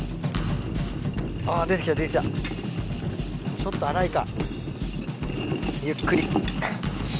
ちょっと粗いか。